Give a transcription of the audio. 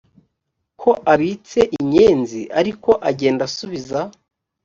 ko abitse inyenzi ariko agenda asubiza